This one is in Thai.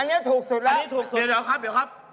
อันนี้ถูกสุดดีกว่าหรือครับ